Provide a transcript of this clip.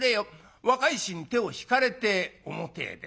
若い衆に手を引かれて表へ出ます。